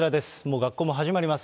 学校も始まります。